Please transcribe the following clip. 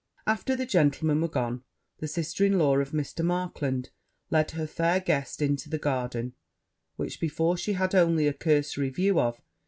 After the gentlemen were gone, the sister in law of Mr. Markland led her fair guest into the garden, which before she had only a cursory view of.